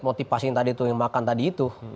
motivasi yang makan tadi itu